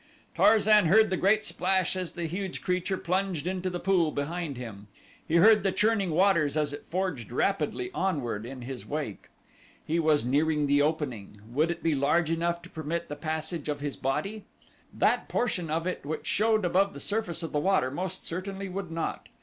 Tarzan heard the great splash as the huge creature plunged into the pool behind him; he heard the churning waters as it forged rapidly onward in his wake. He was nearing the opening would it be large enough to permit the passage of his body? That portion of it which showed above the surface of the water most certainly would not.